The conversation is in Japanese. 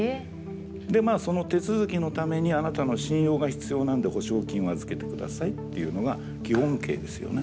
でまあその手続きのためにあなたの信用が必要なんで保証金を預けて下さいっていうのが基本形ですよね。